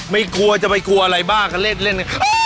กลัวจะไปกลัวอะไรบ้าก็เล่น